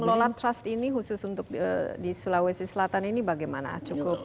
dan mengelola trust ini khusus untuk di sulawesi selatan ini bagaimana cukup